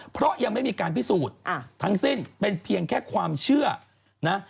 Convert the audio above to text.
เพราะยังไม่มีการพิสูจน์ทั้งสิ้นเป็นเพียงแค่ความเชื่อนะ